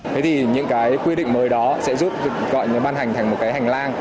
thế thì những cái quy định mới đó sẽ giúp gọi như ban hành thành một cái hành lang